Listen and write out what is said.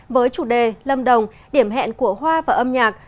với chủ đề lâm đồng điểm hẹn của hoa và âm nhạc